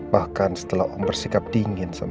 bahkan setelah om bersikap dingin sama kamu